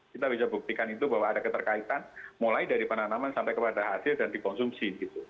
kita bisa buktikan itu bahwa ada keterkaitan mulai dari penanaman sampai kepada hasil dan dikonsumsi